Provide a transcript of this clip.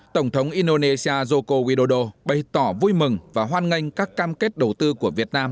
tổng thống indonesia joko widodo bày tỏ vui mừng và hoan nghênh các cam kết đầu tư của việt nam